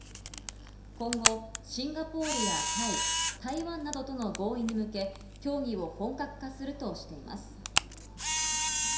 今後、シンガポールやタイ、台湾などとの合意に向け、協議を本格化するとしています。